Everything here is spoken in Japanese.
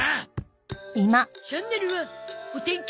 チャンネルはお天気